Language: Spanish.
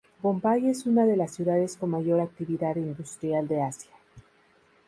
Bombay es una de las ciudades con mayor actividad industrial de Asia.